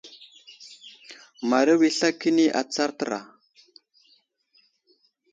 Maru i sla kəni atsar təra.